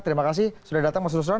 terima kasih sudah datang mas nusron